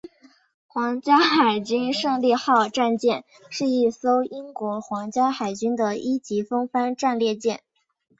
皇家海军胜利号战舰是一艘英国皇家海军的一级风帆战列舰。